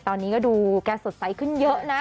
ตอนนี้ก็ดูแกสดใสขึ้นเยอะนะ